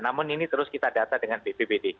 namun ini terus kita data dengan bpbd